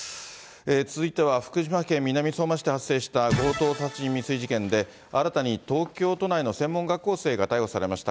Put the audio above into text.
続いては福島県南相馬市で発生した強盗殺人未遂事件で、新たに東京都内の専門学校生が逮捕されました。